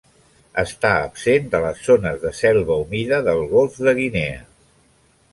Està absent de les zones de selva humida del Golf de Guinea.